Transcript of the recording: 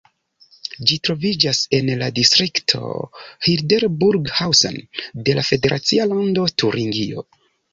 Ĝi troviĝas en la distrikto Hildburghausen de la federacia lando Turingio.